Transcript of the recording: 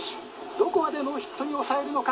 どこまでノーヒットに抑えるのか。